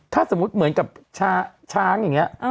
ถ้าสมมุติเหมือนกับช้างอย่างนี้